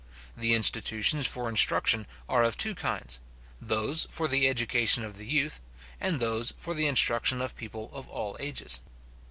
The institutions for instruction are of two kinds: those for the education of the youth, and those for the instruction of people of all ages.